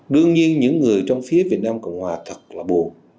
đương nhiên những người trong phía việt nam cộng hòa thật là bù